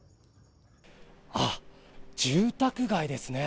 あっ、住宅街ですね。